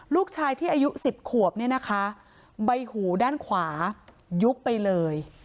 ลูกชายที่อายุ๑๐ขวบเนี่ยนะคะใบหูด้านขวายุบไปเลย